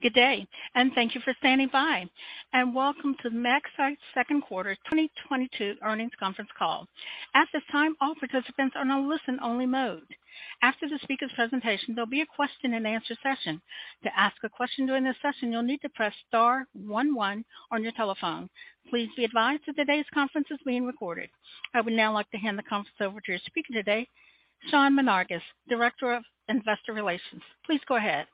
Good day, and thank you for standing by. Welcome to the MaxCyte second quarter 2022 earnings conference call. At this time, all participants are in a listen-only mode. After the speaker presentation, there'll be a question and answer session. To ask a question during this session, you'll need to press star one one on your telephone. Please be advised that today's conference is being recorded. I would now like to hand the conference over to your speaker today, Sean Menarguez, Director of Investor Relations. Please go ahead.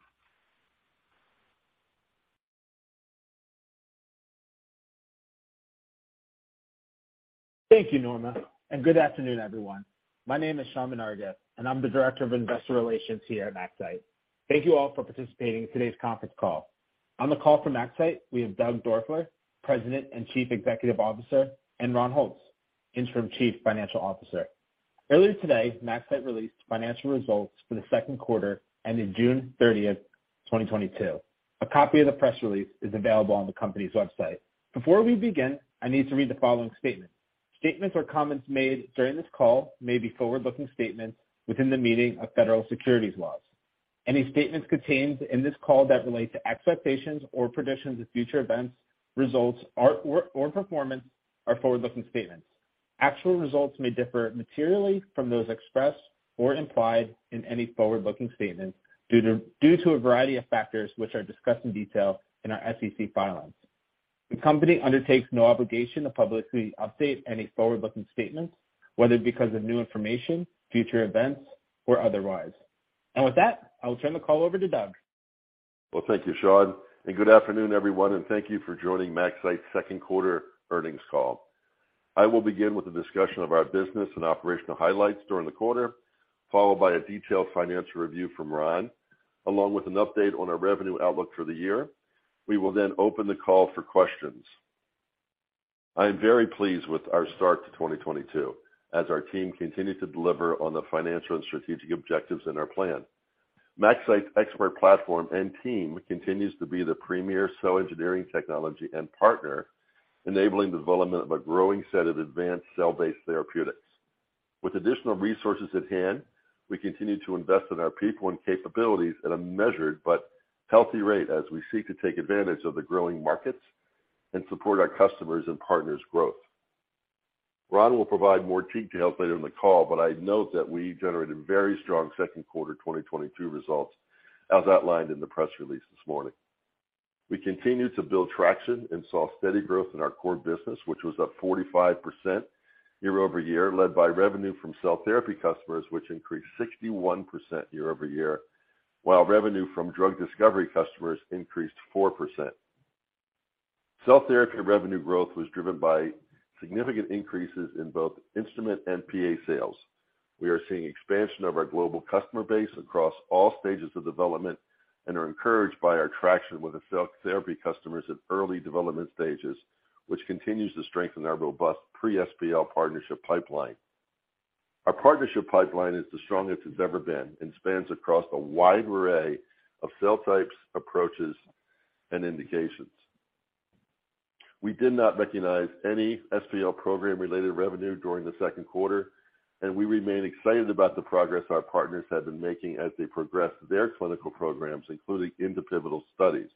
Thank you, Norma, and good afternoon, everyone. My name is Sean Menarguez, and I'm the Director of Investor Relations here at MaxCyte. Thank you all for participating in today's conference call. On the call from MaxCyte, we have Doug Doerfler, President and Chief Executive Officer, and Ron Holtz, Interim Chief Financial Officer. Earlier today, MaxCyte released financial results for the second quarter ending June 30th, 2022. A copy of the press release is available on the company's website. Before we begin, I need to read the following statement. Statements or comments made during this call may be forward-looking statements within the meaning of federal securities laws. Any statements contained in this call that relate to expectations or predictions of future events, results or performance are forward-looking statements. Actual results may differ materially from those expressed or implied in any forward-looking statements due to a variety of factors which are discussed in detail in our SEC filings. The company undertakes no obligation to publicly update any forward-looking statements, whether because of new information, future events, or otherwise. With that, I will turn the call over to Doug. Well, thank you, Sean, and good afternoon, everyone, and thank you for joining MaxCyte's second quarter earnings call. I will begin with a discussion of our business and operational highlights during the quarter, followed by a detailed financial review from Ron, along with an update on our revenue outlook for the year. We will then open the call for questions. I am very pleased with our start to 2022 as our team continued to deliver on the financial and strategic objectives in our plan. MaxCyte's ExPERT platform and team continues to be the premier cell engineering technology and partner, enabling the development of a growing set of advanced cell-based therapeutics. With additional resources at hand, we continue to invest in our people and capabilities at a measured but healthy rate as we seek to take advantage of the growing markets and support our customers' and partners' growth. Ron will provide more details later in the call, but I'd note that we generated very strong second quarter 2022 results as outlined in the press release this morning. We continued to build traction and saw steady growth in our core business, which was up 45% year-over-year, led by revenue from cell therapy customers, which increased 61% year-over-year, while revenue from drug discovery customers increased 4%. Cell therapy revenue growth was driven by significant increases in both instrument and PA sales. We are seeing expansion of our global customer base across all stages of development and are encouraged by our traction with the cell therapy customers at early development stages, which continues to strengthen our robust pre-SPL partnership pipeline. Our partnership pipeline is the strongest it's ever been and spans across a wide array of cell types, approaches, and indications. We did not recognize any SPL program-related revenue during the second quarter, and we remain excited about the progress our partners have been making as they progress their clinical programs, including into pivotal studies.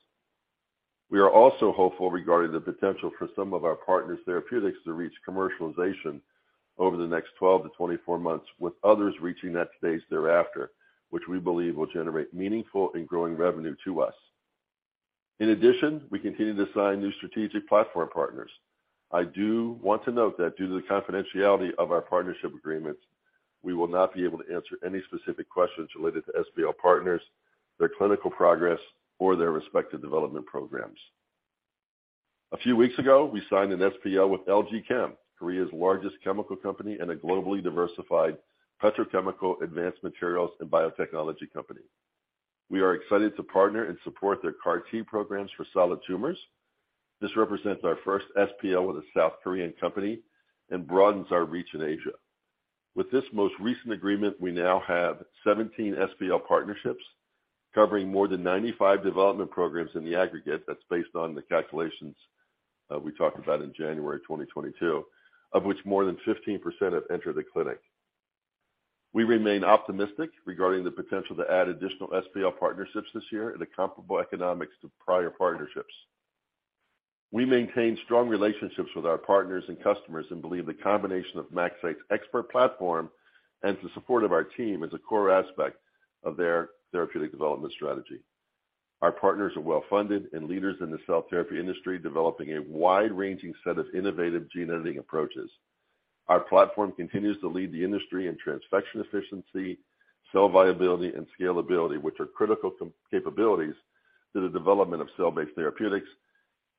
We are also hopeful regarding the potential for some of our partners' therapeutics to reach commercialization over the next 12-24 months, with others reaching that stage thereafter, which we believe will generate meaningful and growing revenue to us. In addition, we continue to sign new strategic platform partners. I do want to note that due to the confidentiality of our partnership agreements, we will not be able to answer any specific questions related to SPL partners, their clinical progress or their respective development programs. A few weeks ago, we signed an SPL with LG Chem, Korea's largest chemical company and a globally diversified petrochemical advanced materials and biotechnology company. We are excited to partner and support their CAR T programs for solid tumors. This represents our first SPL with a South Korean company and broadens our reach in Asia. With this most recent agreement, we now have 17 SPL partnerships covering more than 95 development programs in the aggregate, that's based on the calculations we talked about in January 2022, of which more than 15% have entered the clinic. We remain optimistic regarding the potential to add additional SPL partnerships this year at a comparable economics to prior partnerships. We maintain strong relationships with our partners and customers and believe the combination of MaxCyte's ExPERT platform and the support of our team is a core aspect of their therapeutic development strategy. Our partners are well-funded and leaders in the cell therapy industry, developing a wide-ranging set of innovative gene editing approaches. Our platform continues to lead the industry in transfection efficiency, cell viability, and scalability, which are critical capabilities to the development of cell-based therapeutics,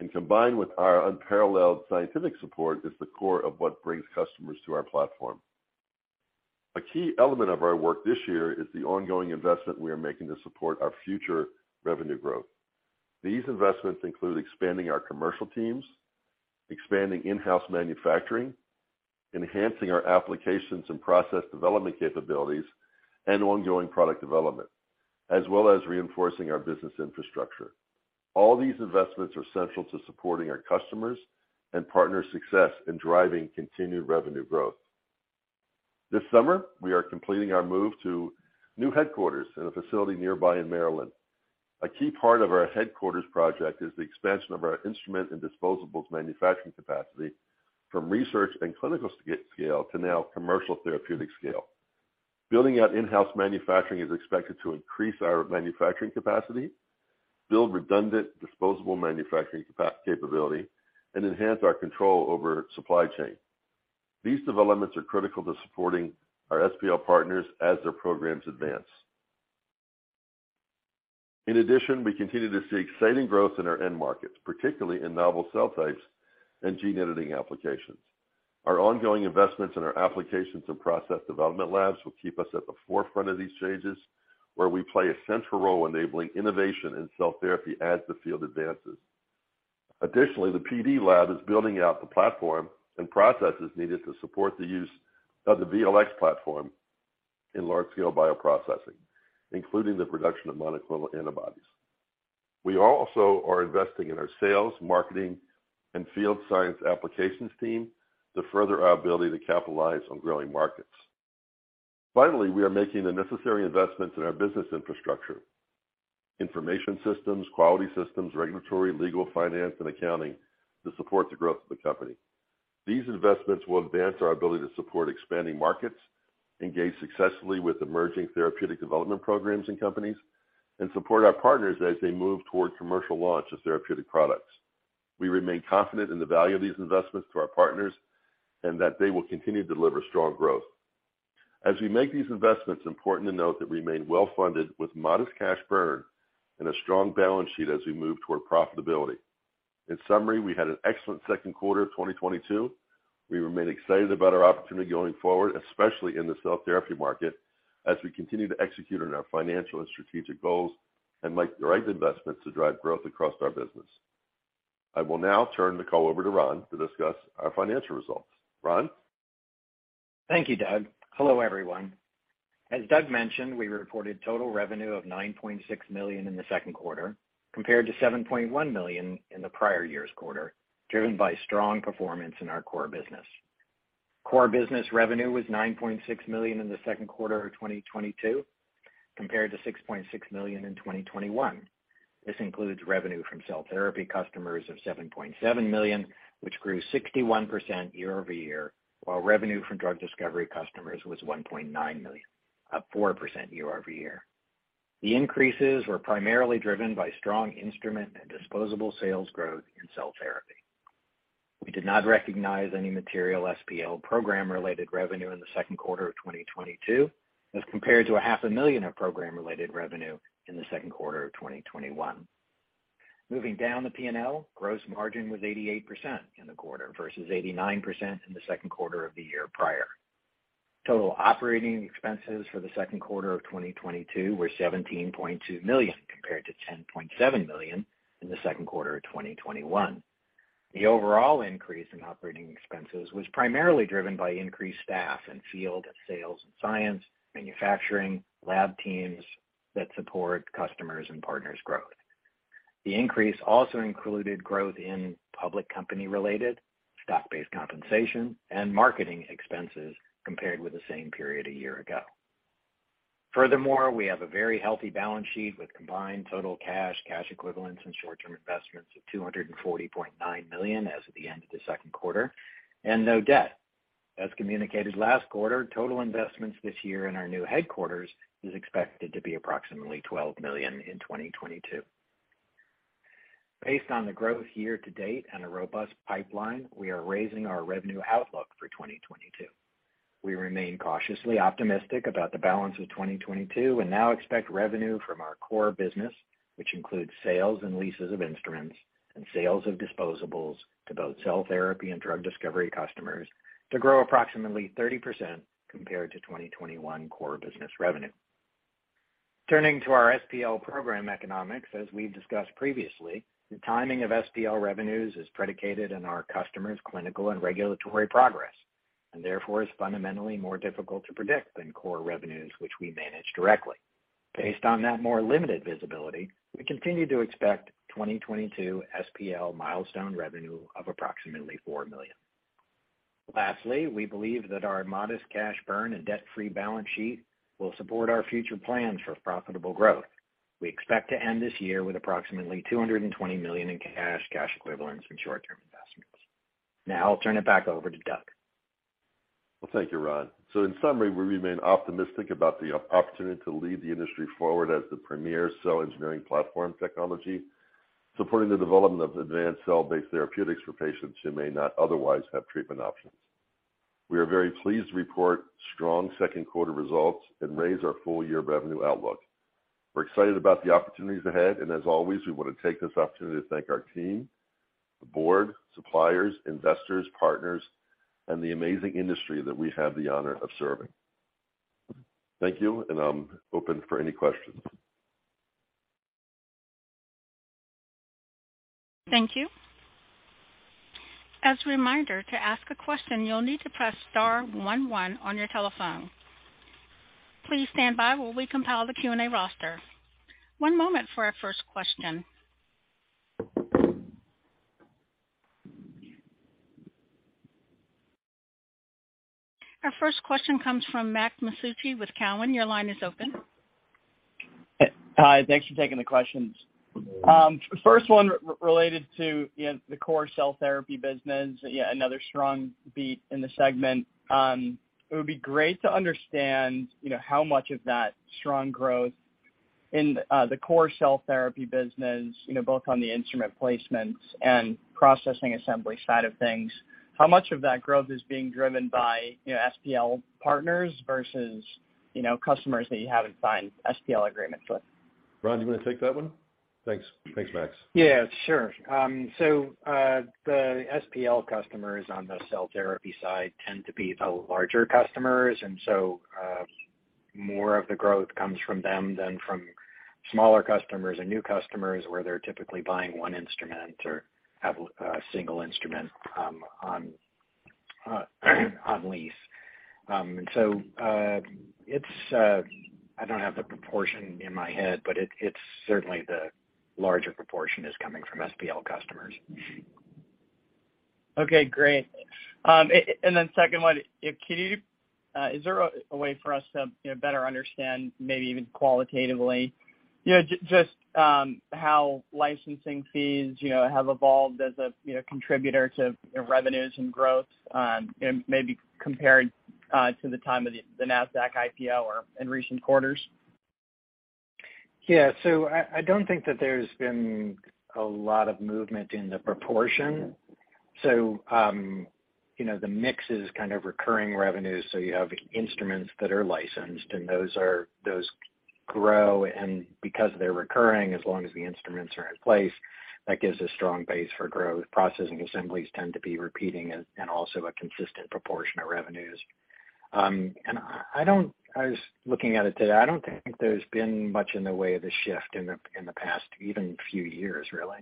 and combined with our unparalleled scientific support, is the core of what brings customers to our platform. A key element of our work this year is the ongoing investment we are making to support our future revenue growth. These investments include expanding our commercial teams, expanding in-house manufacturing, enhancing our applications and process development capabilities, and ongoing product development, as well as reinforcing our business infrastructure. All these investments are central to supporting our customers and partners' success in driving continued revenue growth. This summer, we are completing our move to new headquarters in a facility nearby in Maryland. A key part of our headquarters project is the expansion of our instrument and disposables manufacturing capacity from research and clinical scale to now commercial therapeutic scale. Building out in-house manufacturing is expected to increase our manufacturing capacity, build redundant disposable manufacturing capability, and enhance our control over supply chain. These developments are critical to supporting our SPL partners as their programs advance. In addition, we continue to see exciting growth in our end markets, particularly in novel cell types and gene editing applications. Our ongoing investments in our applications and process development labs will keep us at the forefront of these stages, where we play a central role enabling innovation in cell therapy as the field advances. Additionally, the PD lab is building out the platform and processes needed to support the use of the VLx platform in large-scale bioprocessing, including the production of monoclonal antibodies. We also are investing in our sales, marketing, and field science applications team to further our ability to capitalize on growing markets. Finally, we are making the necessary investments in our business infrastructure, information systems, quality systems, regulatory, legal, finance, and accounting to support the growth of the company. These investments will advance our ability to support expanding markets, engage successfully with emerging therapeutic development programs and companies, and support our partners as they move toward commercial launch of therapeutic products. We remain confident in the value of these investments to our partners and that they will continue to deliver strong growth. As we make these investments, important to note that we remain well-funded with modest cash burn and a strong balance sheet as we move toward profitability. In summary, we had an excellent second quarter of 2022. We remain excited about our opportunity going forward, especially in the cell therapy market, as we continue to execute on our financial and strategic goals and make the right investments to drive growth across our business. I will now turn the call over to Ron to discuss our financial results. Ron? Thank you, Doug. Hello, everyone. As Doug mentioned, we reported total revenue of $9.6 million in the second quarter compared to $7.1 million in the prior year's quarter, driven by strong performance in our core business. Core business revenue was $9.6 million in the second quarter of 2022 compared to $6.6 million in 2021. This includes revenue from cell therapy customers of $7.7 million, which grew 61% year over year, while revenue from drug discovery customers was $1.9 million, up 4% year over year. The increases were primarily driven by strong instrument and disposable sales growth in cell therapy. We did not recognize any material SPL program-related revenue in the second quarter of 2022 as compared to a half a million of program-related revenue in the second quarter of 2021. Moving down the P&L, gross margin was 88% in the quarter versus 89% in the second quarter of the year prior. Total operating expenses for the second quarter of 2022 were $17.2 million compared to $10.7 million in the second quarter of 2021. The overall increase in operating expenses was primarily driven by increased staff in field, sales and science, manufacturing, lab teams that support customers and partners' growth. The increase also included growth in public company-related stock-based compensation and marketing expenses compared with the same period a year ago. Furthermore, we have a very healthy balance sheet with combined total cash equivalents, and short-term investments of $240.9 million as of the end of the second quarter and no debt. As communicated last quarter, total investments this year in our new headquarters is expected to be approximately $12 million in 2022. Based on the growth year to date and a robust pipeline, we are raising our revenue outlook for 2022. We remain cautiously optimistic about the balance of 2022 and now expect revenue from our core business, which includes sales and leases of instruments and sales of disposables to both cell therapy and drug discovery customers to grow approximately 30% compared to 2021 core business revenue. Turning to our SPL program economics, as we've discussed previously, the timing of SPL revenues is predicated on our customers' clinical and regulatory progress and therefore is fundamentally more difficult to predict than core revenues which we manage directly. Based on that more limited visibility, we continue to expect 2022 SPL milestone revenue of approximately $4 million. Lastly, we believe that our modest cash burn and debt-free balance sheet will support our future plans for profitable growth. We expect to end this year with approximately $220 million in cash equivalents, and short-term investments. Now I'll turn it back over to Doug. Well, thank you, Ron. In summary, we remain optimistic about the opportunity to lead the industry forward as the premier cell engineering platform technology, supporting the development of advanced cell-based therapeutics for patients who may not otherwise have treatment options. We are very pleased to report strong second quarter results and raise our full year revenue outlook. We're excited about the opportunities ahead, and as always, we want to take this opportunity to thank our team, the board, suppliers, investors, partners, and the amazing industry that we have the honor of serving. Thank you, and I'm open for any questions. Thank you. As a reminder, to ask a question, you'll need to press star one one on your telephone. Please stand by while we compile the Q&A roster. One moment for our first question. Our first question comes from Max Masucci with Cowen. Your line is open. Hi. Thanks for taking the questions. First one related to, you know, the core cell therapy business. Yeah, another strong beat in the segment. It would be great to understand, you know, how much of that strong growth in the core cell therapy business, you know, both on the instrument placements and Processing Assembly side of things, how much of that growth is being driven by, you know, SPL partners versus, you know, customers that you haven't signed SPL agreements with? Ron, do you wanna take that one? Thanks. Thanks, Max. Yeah, sure. The SPL customers on the cell therapy side tend to be the larger customers and so more of the growth comes from them than from smaller customers and new customers where they're typically buying one instrument or have a single instrument on lease. I don't have the proportion in my head, but it's certainly the larger proportion is coming from SPL customers. Okay, great. Second one, if you can, is there a way for us to, you know, better understand maybe even qualitatively, you know, just how licensing fees, you know, have evolved as a contributor to your revenues and growth, and maybe compared to the time of the Nasdaq IPO or in recent quarters? Yeah. I don't think that there's been a lot of movement in the proportion. You know, the mix is kind of recurring revenues, so you have instruments that are licensed and those grow and because they're recurring as long as the instruments are in place, that gives a strong base for growth. Processing Assemblies tend to be repeating and also a consistent proportion of revenues. I was looking at it today, I don't think there's been much in the way of a shift in the past even few years really.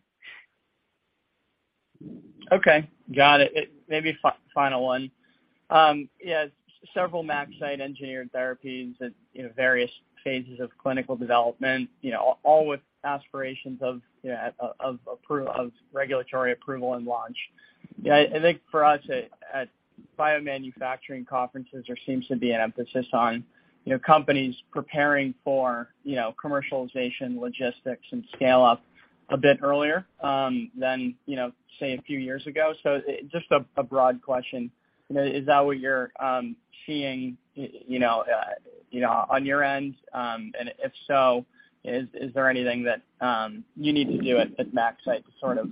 Okay. Got it. Maybe final one. Yeah, several MaxCyte engineered therapies at, you know, various phases of clinical development, you know, all with aspirations of, you know, approval, of regulatory approval and launch. You know, I think for us at biomanufacturing conferences, there seems to be an emphasis on, you know, companies preparing for, you know, commercialization, logistics and scale up a bit earlier, than, you know, say a few years ago. Just a broad question, you know, is that what you're seeing, you know, on your end? If so, is there anything that you need to do at MaxCyte to sort of,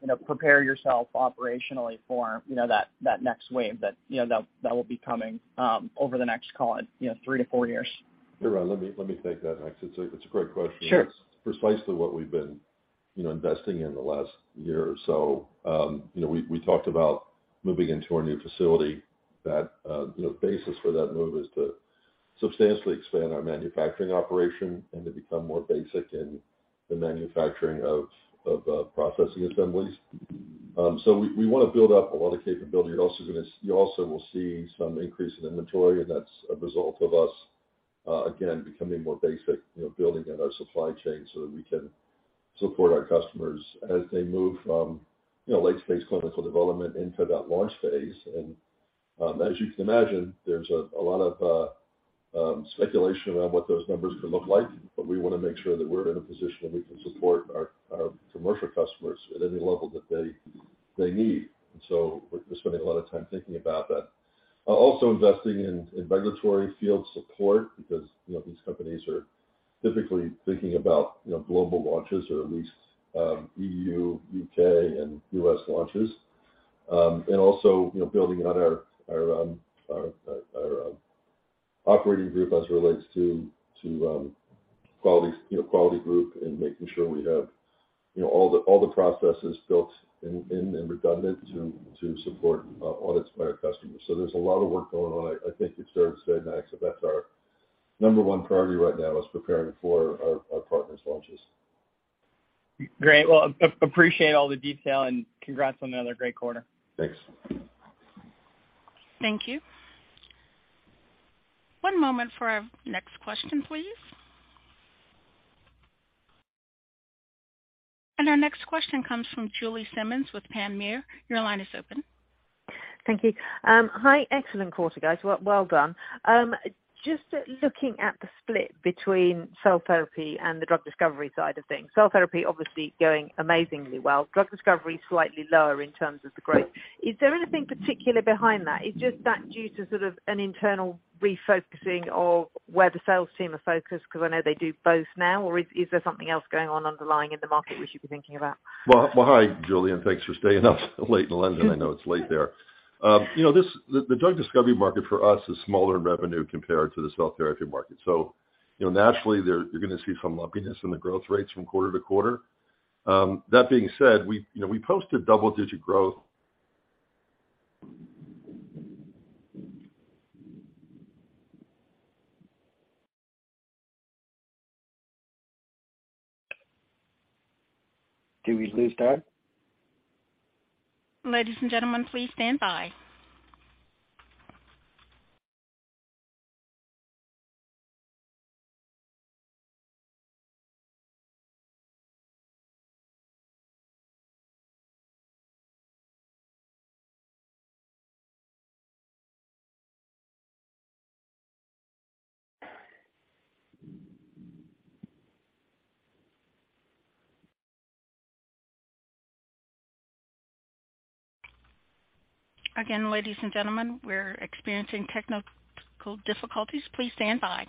you know, prepare yourself operationally for, you know, that next wave that, you know, that will be coming over the next, call it, you know, three to four years? Yeah. Ron, let me take that, Max. It's a great question. Sure. It's precisely what we've been, you know, investing in the last year or so. You know, we talked about moving into our new facility that, you know, the basis for that move is to substantially expand our manufacturing operation and to become more basic in the manufacturing of Processing Assemblies. We wanna build up a lot of capability. You also will see some increase in inventory and that's a result of us, again, becoming more basic, you know, building out our supply chain so that we can support our customers as they move from, you know, late-stage clinical development into that launch phase. As you can imagine, there's a lot of speculation around what those numbers could look like, but we wanna make sure that we're in a position that we can support our commercial customers at any level that they need. We're spending a lot of time thinking about that. Also investing in regulatory field support because, you know, these companies are typically thinking about, you know, global launches or at least EU, U.K. and U.S. launches. You know, building out our operating group as it relates to quality, you know, quality group and making sure we have all the processes built in and redundant to support audits by our customers. There's a lot of work going on. I think you've observed today, Max, that that's our number one priority right now is preparing for our partners' launches. Great. Well, appreciate all the detail and congrats on another great quarter. Thanks. Thank you. One moment for our next question please. Our next question comes from Julie Simmonds with Panmure. Your line is open. Thank you. Hi. Excellent quarter, guys. Well, well done. Just looking at the split between cell therapy and the drug discovery side of things. Cell therapy obviously going amazingly well. Drug discovery slightly lower in terms of the growth. Is there anything particular behind that? Is just that due to sort of an internal refocusing of where the sales team are focused because I know they do both now or is there something else going on underlying in the market we should be thinking about? Hi, Julie, and thanks for staying up late in London. I know it's late there. You know, the drug discovery market for us is smaller in revenue compared to the cell therapy market. You know, naturally there, you're gonna see some lumpiness in the growth rates from quarter to quarter. That being said, we, you know, posted double-digit growth. Did we lose Doug? Ladies and gentlemen, please stand by. Again, ladies and gentlemen, we're experiencing technical difficulties. Please stand by.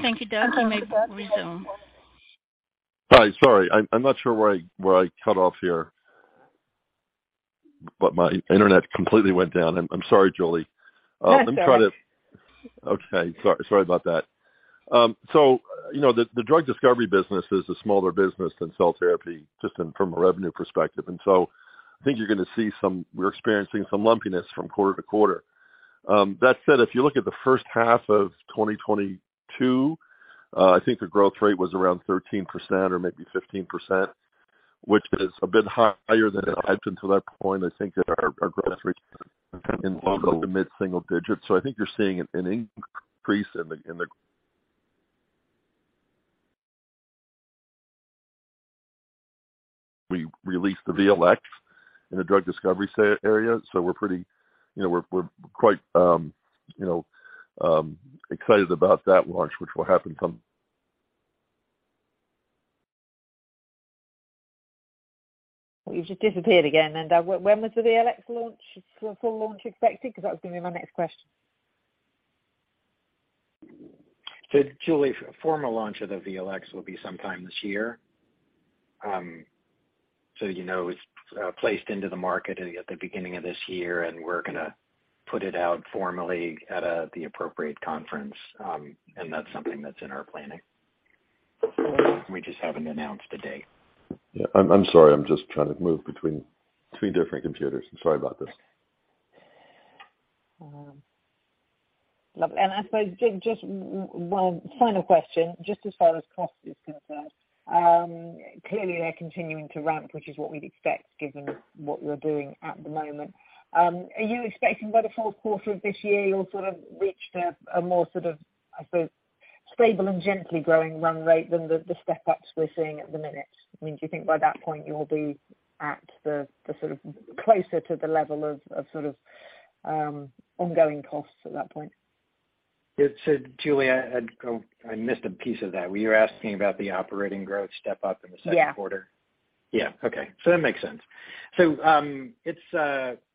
Thank you, Doug. You may resume. Hi. Sorry. I'm not sure where I cut off here. My internet completely went down. I'm sorry, Julie. That's all right. You know, the drug discovery business is a smaller business than cell therapy, just from a revenue perspective. I think you're gonna see, we're experiencing some lumpiness from quarter to quarter. That said, if you look at the first half of 2022, I think the growth rate was around 13% or maybe 15%, which is a bit higher than it had been till that point. I think our growth rate in mid-single digits. I think you're seeing an increase in the. We released the VLx in the drug discovery area. We're pretty, you know, quite, you know, excited about that launch, which will happen some. You just disappeared again. When was the VLx launch, full launch expected? Because that was gonna be my next question. Julie, formal launch of the VLx will be sometime this year. It's placed into the market at the beginning of this year, and we're gonna put it out formally at the appropriate conference. That's something that's in our planning. We just haven't announced a date. Yeah. I'm sorry. I'm just trying to move between two different computers. I'm sorry about this. Lovely. I suppose, Doug, just one final question, just as far as cost is concerned. Clearly they're continuing to ramp, which is what we'd expect given what you're doing at the moment. Are you expecting by the fourth quarter of this year you'll sort of reach a more sort of, I suppose, stable and gently growing run rate than the step ups we're seeing at the minute? I mean, do you think by that point you'll be at the sort of closer to the level of sort of ongoing costs at that point? Yeah. Julie, I missed a piece of that. Were you asking about the operating growth step up in the second quarter? Yeah. Yeah. Okay. That makes sense.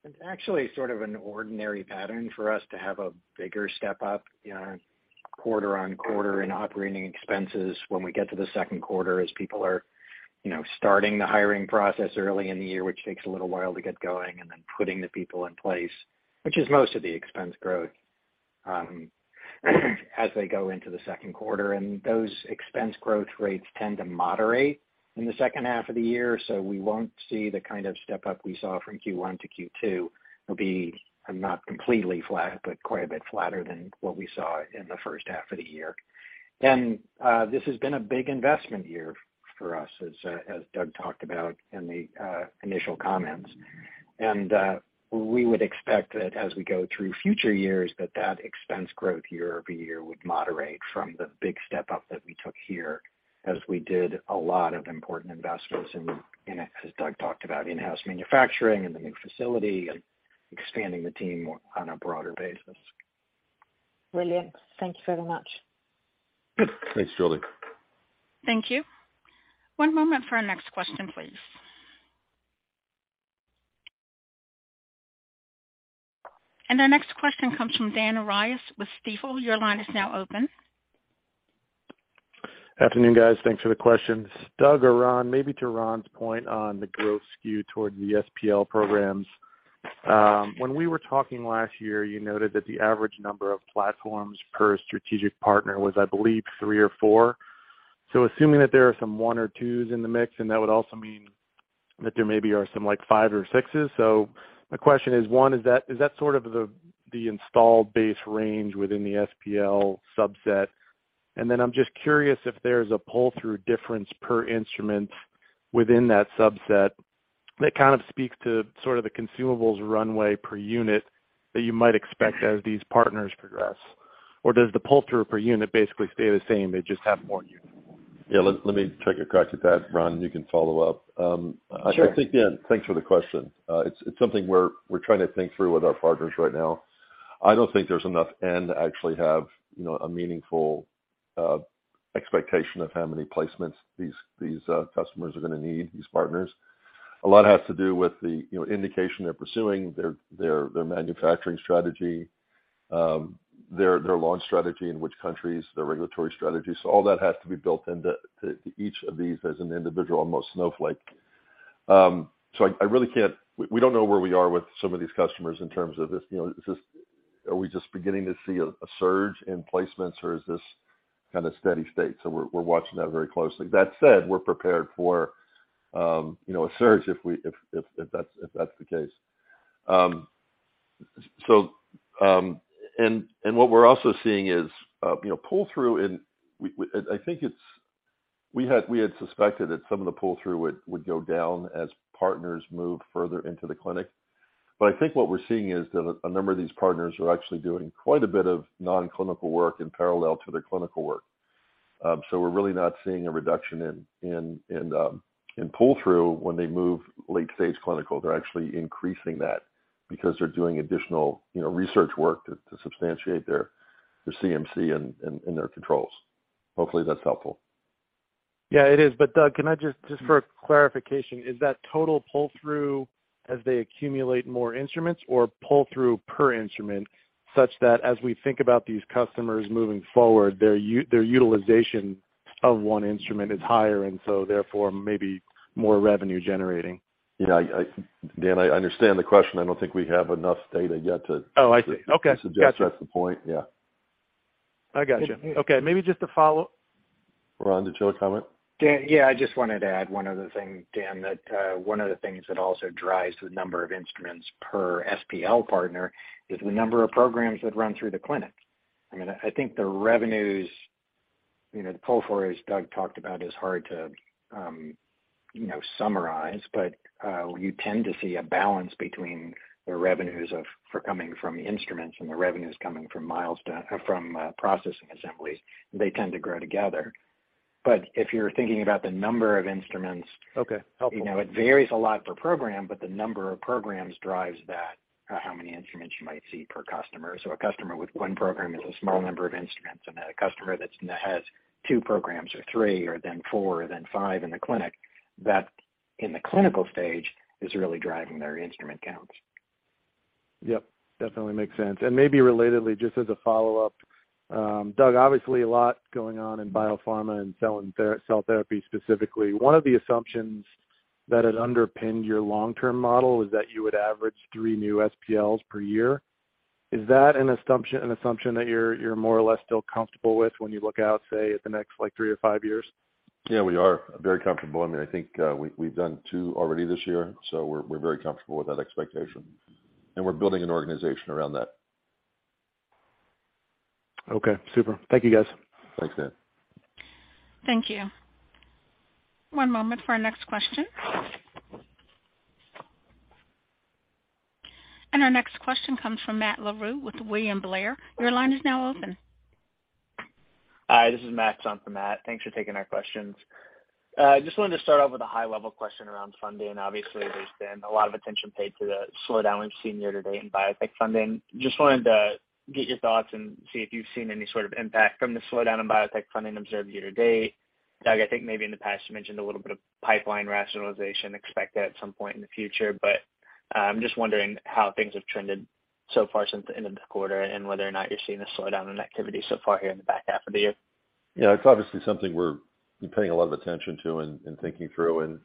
It's actually sort of an ordinary pattern for us to have a bigger step up, you know, quarter-over-quarter in operating expenses when we get to the second quarter, as people are, you know, starting the hiring process early in the year, which takes a little while to get going, and then putting the people in place, which is most of the expense growth, as they go into the second quarter. Those expense growth rates tend to moderate in the second half of the year. We won't see the kind of step up we saw from Q1 to Q2. It'll be not completely flat, but quite a bit flatter than what we saw in the first half of the year. This has been a big investment year for us, as Doug talked about in the initial comments. We would expect that as we go through future years, that expense growth year-over-year would moderate from the big step up that we took here as we did a lot of important investments in, as Doug talked about, in-house manufacturing and the new facility and expanding the team on a broader basis. Brilliant. Thank you very much. Thanks, Julie. Thank you. One moment for our next question, please. Our next question comes from Dan Arias with Stifel. Your line is now open. Afternoon, guys. Thanks for the questions. Doug or Ron, maybe to Ron's point on the growth skew toward the SPL programs. When we were talking last year, you noted that the average number of platforms per strategic partner was, I believe, three or four. Assuming that there are some one or two in the mix, and that would also mean that there maybe are some like five or sixes. My question is, one, is that sort of the installed base range within the SPL subset? And then I'm just curious if there's a pull-through difference per instrument within that subset that kind of speaks to sort of the consumables runway per unit that you might expect as these partners progress. Or does the pull-through per unit basically stay the same, they just have more units? Yeah. Let me take a crack at that, Ron, and you can follow up. Sure. I think, Dan, thanks for the question. It's something we're trying to think through with our partners right now. I don't think there's enough data to actually have, you know, a meaningful expectation of how many placements these customers are gonna need, these partners. A lot has to do with the, you know, indication they're pursuing, their manufacturing strategy, their launch strategy in which countries, their regulatory strategies, all that has to be built into each of these as an individual, almost snowflake. We don't know where we are with some of these customers in terms of this, you know, is this? Are we just beginning to see a surge in placements, or is this kind of steady state? So we're watching that very closely. That said, we're prepared for, you know, a surge if that's the case. And what we're also seeing is, you know, pull-through. We had suspected that some of the pull-through would go down as partners move further into the clinic. I think what we're seeing is that a number of these partners are actually doing quite a bit of non-clinical work in parallel to their clinical work. We're really not seeing a reduction in pull-through when they move late-stage clinical. They're actually increasing that because they're doing additional, you know, research work to substantiate their CMC and their controls. Hopefully, that's helpful. Yeah, it is. Doug, can I just- Mm-hmm. Just for clarification, is that total pull-through as they accumulate more instruments or pull-through per instrument, such that as we think about these customers moving forward, their utilization of one instrument is higher and so therefore maybe more revenue generating? Dan, I understand the question. I don't think we have enough data yet to Oh, I see. Okay. Gotcha. To suggest that's the point. Yeah. I gotcha. And, and- Okay, maybe just a follow- Ron, did you have a comment? Dan, yeah, I just wanted to add one other thing, Dan, that one of the things that also drives the number of instruments per SPL partner is the number of programs that run through the clinic. I mean, I think the revenues, you know, the pull-through, as Doug talked about, is hard to, you know, summarize, but you tend to see a balance between the revenues coming from instruments and the revenues coming from Processing Assemblies. They tend to grow together. If you're thinking about the number of instruments. Okay. Helpful. You know, it varies a lot per program, but the number of programs drives that, how many instruments you might see per customer. A customer with one program is a small number of instruments, and a customer that has two programs or three or then four or then five in the clinic, that in the clinical stage is really driving their instrument counts. Yep. Definitely makes sense. Maybe relatedly, just as a follow-up, Doug, obviously a lot going on in biopharma and cell therapy specifically. One of the assumptions that had underpinned your long-term model was that you would average three new SPLs per year. Is that an assumption that you're more or less still comfortable with when you look out, say, at the next, like, three to five years? Yeah, we are very comfortable. I mean, I think, we've done two already this year, so we're very comfortable with that expectation. We're building an organization around that. Okay. Super. Thank you, guys. Thanks, Dan. Thank you. One moment for our next question. Our next question comes from Matt Larew with William Blair. Your line is now open. Hi, this is Matt. It's on for Matt. Thanks for taking our questions. Just wanted to start off with a high level question around funding. Obviously, there's been a lot of attention paid to the slowdown we've seen year to date in biotech funding. Just wanted to get your thoughts and see if you've seen any sort of impact from the slowdown in biotech funding observed year to date. Doug, I think maybe in the past you mentioned a little bit of pipeline rationalization expected at some point in the future, but, I'm just wondering how things have trended so far since the end of the quarter and whether or not you're seeing a slowdown in activity so far here in the back half of the year. Yeah, it's obviously something we're paying a lot of attention to and thinking through and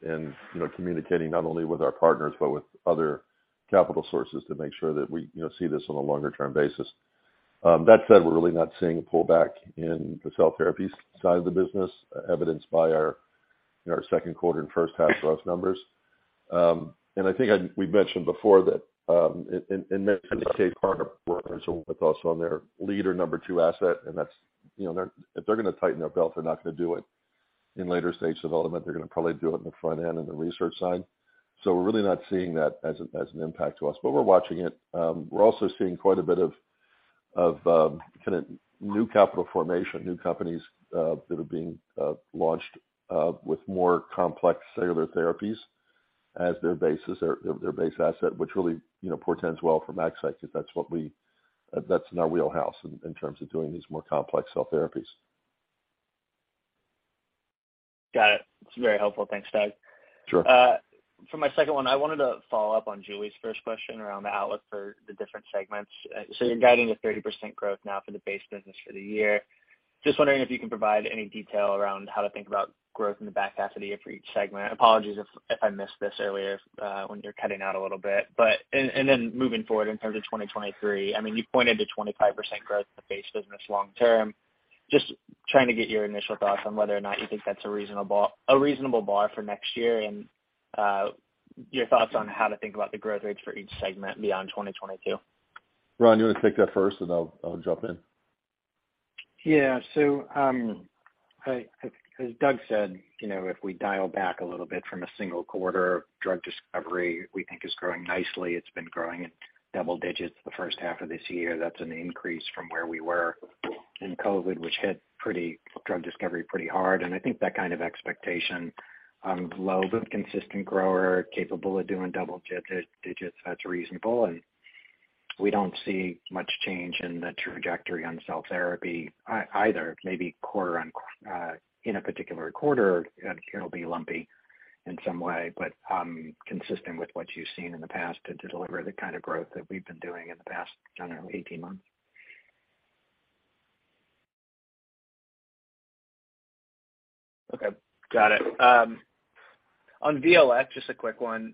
you know communicating not only with our partners but with other capital sources to make sure that we you know see this on a longer term basis. That said, we're really not seeing a pullback in the cell therapy side of the business, evidenced by our you know second quarter and first half growth numbers. I think we've mentioned before that in that kind of case, partner with us on their lead or number two asset, and that's you know If they're gonna tighten their belt, they're not gonna do it in later stage development. They're gonna probably do it in the front end in the research side. We're really not seeing that as an impact to us, but we're watching it. We're also seeing quite a bit of kind of new capital formation, new companies that are being launched with more complex cellular therapies as their basis or their base asset, which really, you know, portends well for MaxCyte because that's in our wheelhouse in terms of doing these more complex cell therapies. Got it. That's very helpful. Thanks, Doug. Sure. For my second one, I wanted to follow up on Julie's first question around the outlook for the different segments. So you're guiding to 30% growth now for the base business for the year. Just wondering if you can provide any detail around how to think about growth in the back half of the year for each segment. Apologies if I missed this earlier, when you were cutting out a little bit. Moving forward in terms of 2023, I mean, you pointed to 25% growth in the base business long term. Just trying to get your initial thoughts on whether or not you think that's a reasonable bar for next year and your thoughts on how to think about the growth rates for each segment beyond 2022. Ron, you wanna take that first and I'll jump in. Yeah. As Doug said, you know, if we dial back a little bit from a single quarter, drug discovery we think is growing nicely. It's been growing in double digits the first half of this year. That's an increase from where we were in COVID, which hit drug discovery pretty hard. I think that kind of expectation, low but consistent grower capable of doing double digits, that's reasonable. We don't see much change in the trajectory on cell therapy either. Maybe quarter on in a particular quarter, it'll be lumpy. In some way, but consistent with what you've seen in the past to deliver the kind of growth that we've been doing in the past, I don't know, 18 months. Okay, got it. On VLx, just a quick one.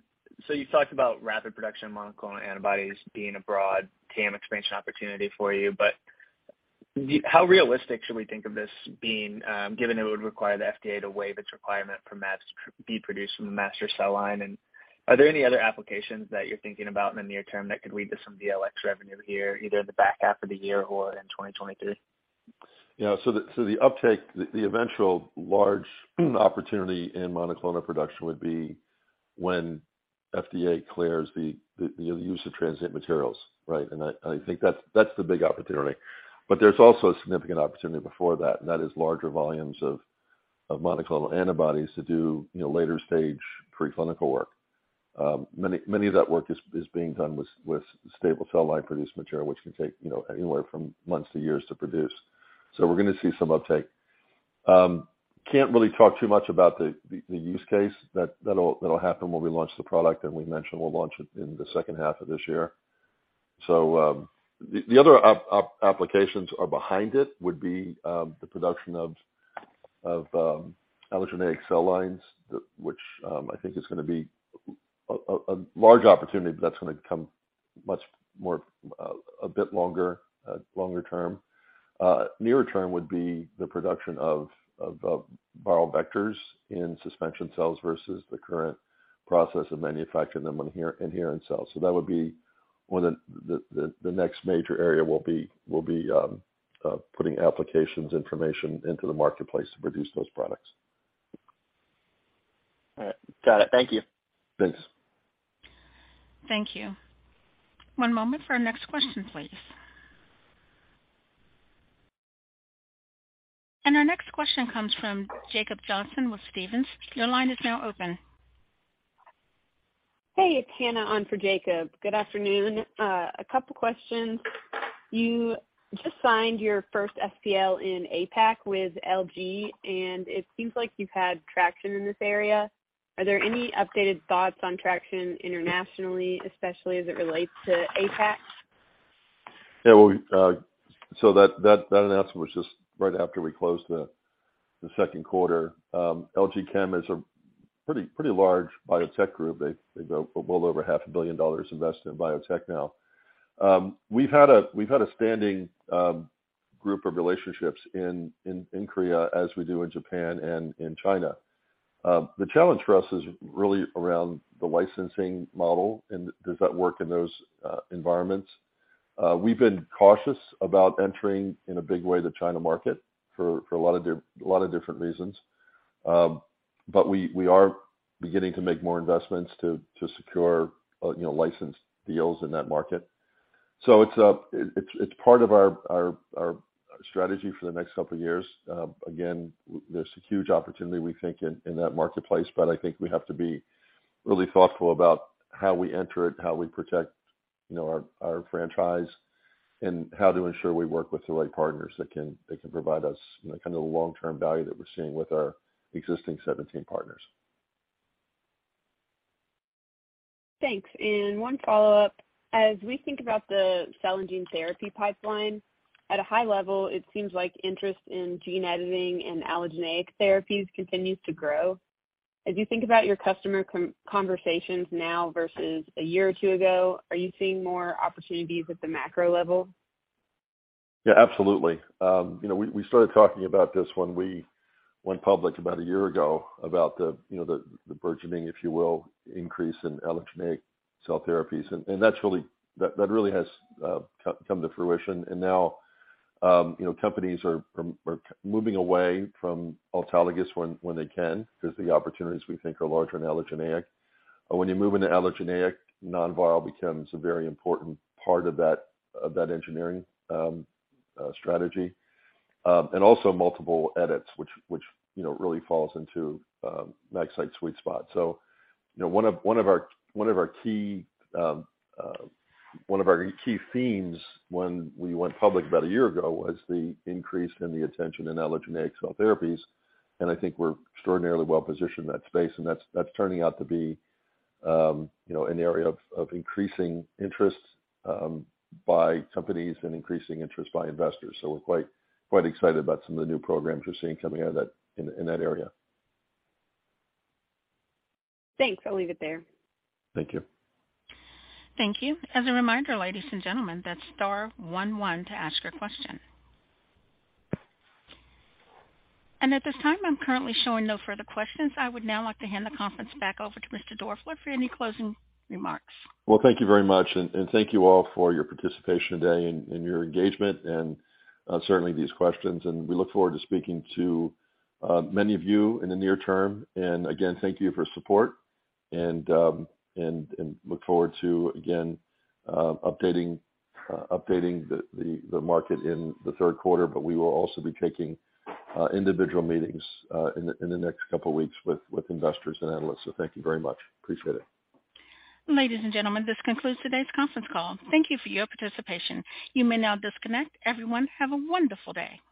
You talked about rapid production monoclonal antibodies being a broad TAM expansion opportunity for you, but how realistic should we think of this being, given it would require the FDA to waive its requirement be produced from a master cell line? Are there any other applications that you're thinking about in the near term that could lead to some VLx revenue here, either in the back half of the year or in 2023? The eventual large opportunity in monoclonal production would be when FDA clears the use of transient materials, right? I think that's the big opportunity. There's also a significant opportunity before that, and that is larger volumes of monoclonal antibodies to do, you know, later stage pre-clinical work. Much of that work is being done with stable cell line produced material, which can take, you know, anywhere from months to years to produce. We're gonna see some uptake. Can't really talk too much about the use case. That'll happen when we launch the product, and we mentioned we'll launch it in the second half of this year. The other applications are behind it would be the production of allogeneic cell lines, which I think is gonna be a large opportunity, but that's gonna come much more a bit longer term. Nearer term would be the production of viral vectors in suspension cells versus the current process of manufacturing them on adherent cells. That would be one of the next major area will be putting applications information into the marketplace to produce those products. All right. Got it. Thank you. Thanks. Thank you. One moment for our next question, please. Our next question comes from Jacob Johnson with Stephens. Your line is now open. Hey, it's Hannah on for Jacob. Good afternoon. A couple questions. You just signed your first SPL in APAC with LG, and it seems like you've had traction in this area. Are there any updated thoughts on traction internationally, especially as it relates to APAC? That announcement was just right after we closed the second quarter. LG Chem is a pretty large biotech group. They've a well over half a billion dollars invested in biotech now. We've had a standing group of relationships in Korea as we do in Japan and in China. The challenge for us is really around the licensing model and does that work in those environments. We've been cautious about entering in a big way the China market for a lot of different reasons. We are beginning to make more investments to secure, you know, license deals in that market. It's part of our strategy for the next couple years. Again, there's a huge opportunity we think in that marketplace, but I think we have to be really thoughtful about how we enter it, how we protect, you know, our franchise, and how to ensure we work with the right partners that can provide us, you know, kind of the long-term value that we're seeing with our existing 17 partners. Thanks. One follow-up. As we think about the cell and gene therapy pipeline, at a high level, it seems like interest in gene editing and allogeneic therapies continues to grow. As you think about your customer conversations now versus a year or two ago, are you seeing more opportunities at the macro level? Yeah, absolutely. You know, we started talking about this when we went public about a year ago about the burgeoning, if you will, increase in allogeneic cell therapies. That's really come to fruition. Now, you know, companies are moving away from autologous when they can, because the opportunities we think are larger in allogeneic. When you move into allogeneic, non-viral becomes a very important part of that engineering strategy. Also multiple edits, which you know, really falls into MaxCyte's sweet spot. You know, one of our key themes when we went public about a year ago was the increase in the attention in allogeneic cell therapies, and I think we're extraordinarily well-positioned in that space, and that's turning out to be, you know, an area of increasing interest by companies and increasing interest by investors. We're quite excited about some of the new programs we're seeing coming out of that, in that area. Thanks. I'll leave it there. Thank you. Thank you. As a reminder, ladies and gentlemen, that's star one one to ask your question. At this time, I'm currently showing no further questions. I would now like to hand the conference back over to Mr. Doerfler for any closing remarks. Well, thank you very much, and thank you all for your participation today and your engagement and certainly these questions. We look forward to speaking to many of you in the near term. Again, thank you for support and look forward to again updating the market in the third quarter. We will also be taking individual meetings in the next couple weeks with investors and analysts, so thank you very much. Appreciate it. Ladies and gentlemen, this concludes today's conference call. Thank you for your participation. You may now disconnect. Everyone, have a wonderful day. Thank you.